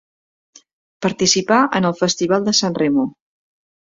Participà en el Festival de San Remo.